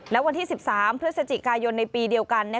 และวันที่๑๓พฤศจิกายนในปีเดียวกัน